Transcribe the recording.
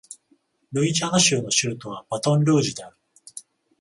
ルイジアナ州の州都はバトンルージュである